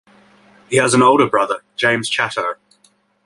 He has an older brother, James Chatto.